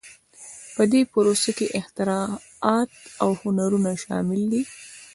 په دې پروسه کې اختراعات او هنرونه شامل دي.